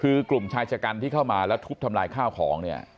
คือกลุ่มชายชะกันที่เข้ามาแล้วทุบทำลายข้าวของเนี่ย